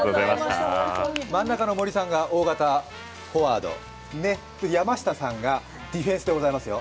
真ん中の森さんが大型フォワード、山下さんがディフェンスでございますよ。